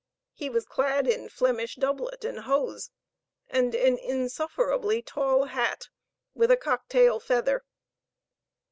He was clad in Flemish doublet and hose, and an insufferably tall hat, with a cocktail feather.